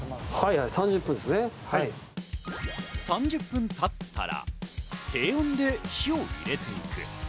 ３０分経ったら、低温で火を入れていく。